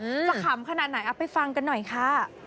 จะขำขนาดไหนเอาไปฟังกันหน่อยค่ะ